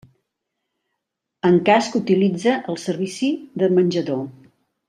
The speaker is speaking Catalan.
En cas que utilitze el servici de menjador.